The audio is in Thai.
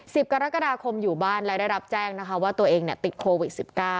สิบกรกฎาคมอยู่บ้านและได้รับแจ้งว่าตัวเองติดโควิด๑๙